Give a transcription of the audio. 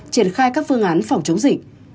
triển khai các phương án phòng chống dịch